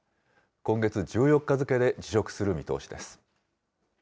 今月１４日付で辞職する見通しです。